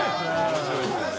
面白いですね。